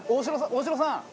大城さん